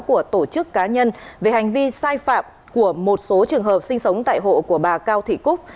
của tổ chức cá nhân về hành vi sai phạm của một số trường hợp sinh sống tại hộ của bà cao thị cúc